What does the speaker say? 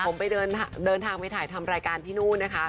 ผมไปเดินทางไปถ่ายทำรายการที่นู่นนะคะ